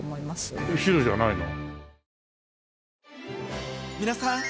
白じゃないの？